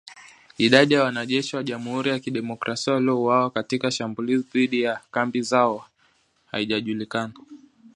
Idadi ya wanajeshi wa Jamhuri ya Kidemokrasia waliouawa katika shambulizi dhidi ya kambi zao haijajulikana